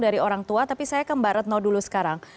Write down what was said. dari orang tua tapi saya ke mbak retno dulu sekarang